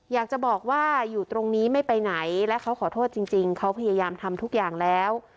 อยากจะบอกว่าอยู่ตรงนี้ไม่ไปไหนและเขาขอโทษจริงเขาพยายามทำทุกอย่างแล้ว